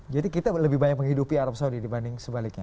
jadi kita lebih banyak menghidupi arab saudi dibanding sebaliknya